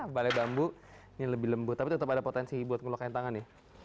balai bambu ini lebih lembut tapi tetap ada potensi buat ngeluhkan tangan nih